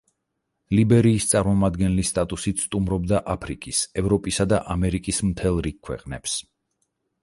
ლიბერიის წარმომადგენლის სტატუსით სტუმრობდა აფრიკის, ევროპისა და ამერიკის მთელ რიგ ქვეყნებს.